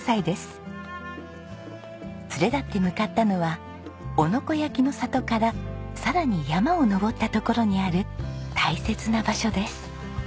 連れ立って向かったのは男ノ子焼の里からさらに山を登った所にある大切な場所です。